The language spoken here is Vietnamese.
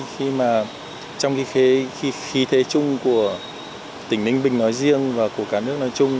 khi mà trong khi thế chung của tỉnh ninh bình nói riêng và của cả nước nói chung